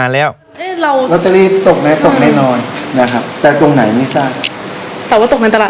อัศวินธรรมชาติอั